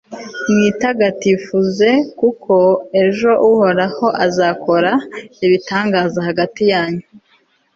mwitagatifuze kuko ejo uhoraho azakora ibitangaza hagati yanyu